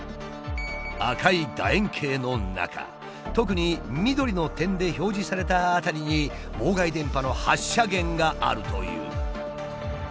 赤い楕円形の中特に緑の点で表示された辺りに妨害電波の発射源があるという。